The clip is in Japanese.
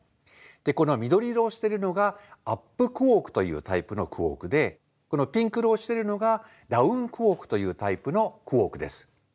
でこの緑色をしてるのがアップクォークというタイプのクォークでこのピンク色をしてるのがダウンクォークというタイプのクォークです。